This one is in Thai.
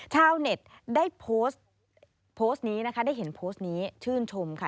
ชาวเน็ตได้โพสต์โพสต์นี้นะคะได้เห็นโพสต์นี้ชื่นชมค่ะ